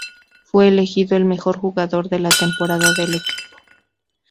Fue elegido el mejor jugador de la temporada del equipo.